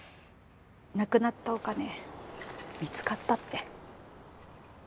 なくなったお金見つかったって。